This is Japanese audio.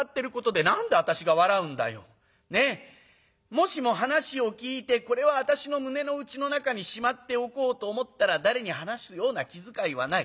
もしも話を聞いてこれは私の胸の内の中にしまっておこうと思ったら誰に話すような気遣いはない。